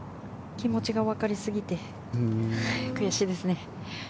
気持ちがわかりすぎて悔しいですね。